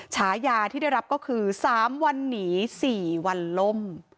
ฉายาที่ได้รับก็คือ๓วันหนี๔วันล่ม